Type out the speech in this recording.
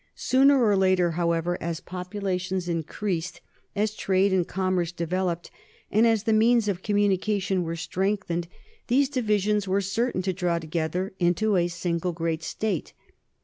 Sooner or later, however, as population increased, as trade and commerce developed, and as the means of communication were strengthened, these divisions were /V3lH NORMANDY AND FRANCE 125 certain to draw together into a single great state.